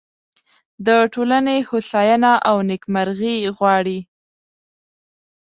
د ټولنې هوساینه او نیکمرغي غواړي.